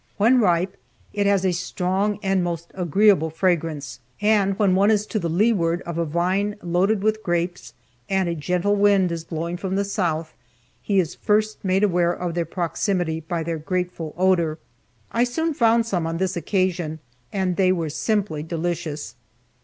When ripe it has a strong and most agreeable fragrance, and when one is to the leeward of a vine loaded with grapes, and a gentle wind is blowing from the south, he is first made aware of their proximity by their grateful odor. I soon found some on this occasion, and they were simply delicious.